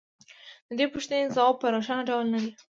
د دې پوښتنې ځواب په روښانه ډول نه دی